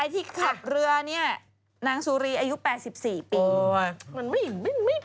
ที่ขับเรือนี้น้างซูรีโดย๘๔ปี